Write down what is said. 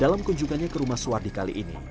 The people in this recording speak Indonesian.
dalam kunjungannya ke rumah suwardi kali ini